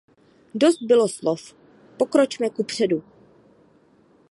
Dost bylo slov, pokročme kupředu.